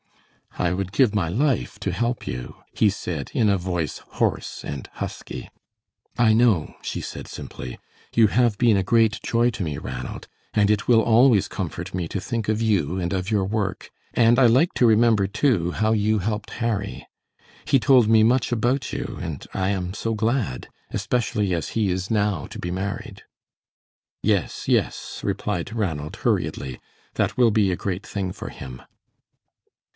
"I would give my life to help you," he said, in a voice hoarse and husky. "I know," she said, simply; "you have been a great joy to me, Ranald, and it will always comfort me to think of you, and of your work, and I like to remember, too, how you helped Harry. He told me much about you, and I am so glad, especially as he is now to be married." "Yes, yes," replied Ranald, hurriedly; "that will be a great thing for him."